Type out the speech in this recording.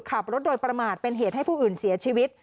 ขับรถโดยประมาทเป็นเหตุให้ผู้อื่นเสียชีวิต